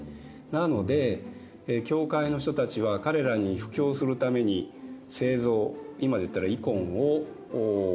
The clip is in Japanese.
なので教会の人たちは彼らに布教するために聖像今で言ったらイコンを使ったんですね。